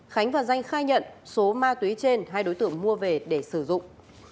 khánh và danh khai nhận số ma túy trên hai đối tượng mua về để sử dụng